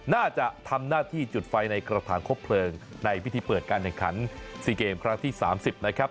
น่าจะทำหน้าที่จุดไฟในกระถางคบเพลิงในพิธีเปิดการแข่งขัน๔เกมครั้งที่๓๐นะครับ